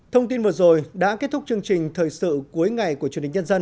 thông tin vừa rồi đã kết thúc chương trình thời sự cuối ngày của truyền hình nhân dân